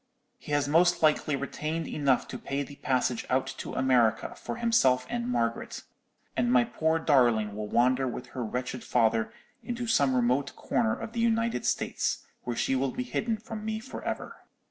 He has most likely retained enough to pay the passage out to America for himself and Margaret; and my poor darling will wander with her wretched father into some remote corner of the United States, where she will be hidden from me for ever.'